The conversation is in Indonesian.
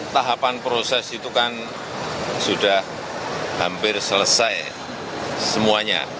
tahapan proses itu kan sudah hampir selesai semuanya